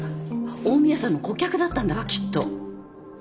近江屋さんの顧客だったんだわきっと。